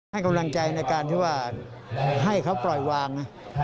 ให้กำลังใจในการที่ว่าให้เขาปล่อยวางนะ